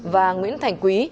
và nguyễn thành quý